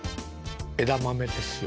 枝豆ですよ。